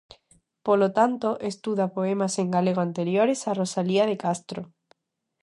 Polo tanto, estuda poemas en galego anteriores a Rosalía de Castro.